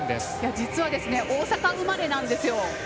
実は大阪生まれなんですよ。